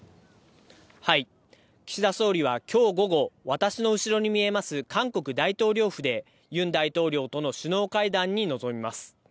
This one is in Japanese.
岸田総理は今日午後、私の後ろに見えます、韓国大統領府で、ユン大統領との首脳会談に臨みます。